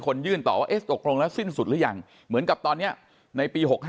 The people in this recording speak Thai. ยื่นต่อว่าเอ๊ะตกลงแล้วสิ้นสุดหรือยังเหมือนกับตอนนี้ในปี๖๕